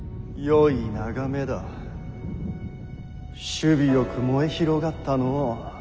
首尾よく燃え広がったのう。